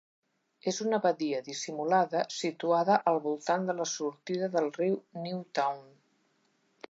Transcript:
És una badia dissimulada situada al voltant de la sortida del riu Newtown.